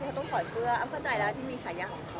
เธอต้องขอเสื้ออ้อมก็ไจล่ะที่มีชายอย่างอ่อเจ๊